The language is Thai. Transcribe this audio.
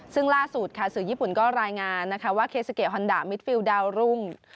ซึ่งล่าสุดค่ะสื่อญี่ปุ่นก็รายงานนะคะว่าเคสเกฮอนดามิดฟิลดาวรุ่ง